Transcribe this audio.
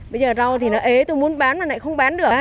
bây giờ rau thì nó ế tôi muốn bán mà lại không bán được